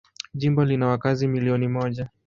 Jimbo lina wakazi milioni moja.